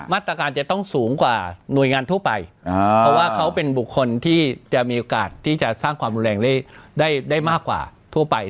มาตรการจะต้องสูงกว่าหน่วยงานทั่วไปเพราะว่าเขาเป็นบุคคลที่จะมีโอกาสที่จะสร้างความรุนแรงได้มากกว่าทั่วไป